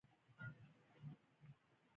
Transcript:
د کایناتو یوه برخه ده.